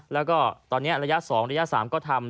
แล้วก็ตอนนี้ระยะ๒ระยะ๓ก็ทำ